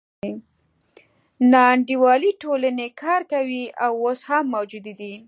ناانډولې ټولنې کار کوي او اوس هم موجودې دي.